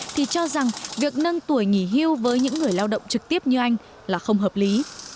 thì cho rằng việc nâng tuổi nghỉ hưu với những người lao động trực tiếp như anh là không hợp lý